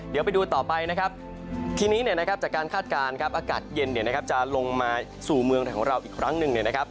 เดี๋ยวไปดูต่อไปนะครับทีนี้จากการคาดการณ์อากาศเย็นจะลงมาสู่เมืองไทยของเราอีกครั้งหนึ่งนะครับ